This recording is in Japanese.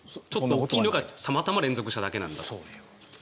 大きいのがたまたま連続しただけなんだと。